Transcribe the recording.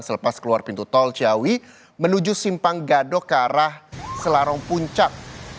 selepas keluar pintu tol ciawi menuju simpang gadok ke arah selarong puncak